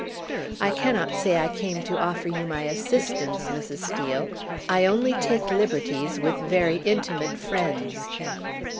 "I cannot say I came to offer you my assistance, Mrs. Steel. I only take liberties with very intimate friends."